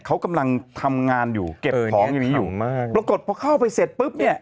เขากำลังทำงานอยู่เก็บของอย่างงี้อยู่มากปรากฏพอเข้าไปเสร็จปุ๊บเนี่ย